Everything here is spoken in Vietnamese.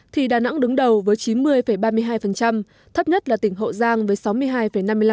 thì đà nẵng đứng đầu với chín mươi ba mươi hai thấp nhất là tỉnh hậu giang với sáu mươi hai năm mươi năm